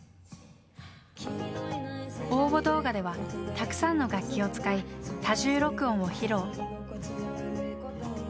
応募動画ではたくさんの楽器を使い多重録音を披露。